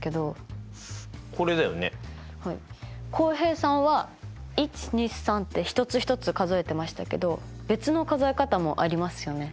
浩平さんは１２３って一つ一つ数えてましたけど別の数え方もありますよね。